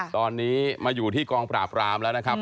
ตอนนี้มาอยู่ที่กองปราบรามแล้วนะครับ